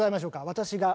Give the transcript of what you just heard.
私が。